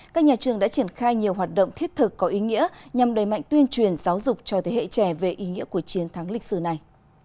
các nhà trường đã triển khai nhiều hoạt động thiết thực có ý nghĩa nhằm đẩy mạnh tuyên truyền giáo dục cho thế hệ trẻ về ý nghĩa của chiến thắng lịch sử này